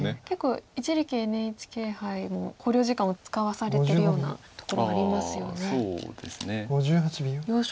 結構一力ＮＨＫ杯も考慮時間を使わされてるようなところもありますよね。